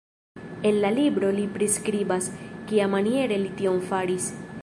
En la libro li priskribas, kiamaniere li tion faris.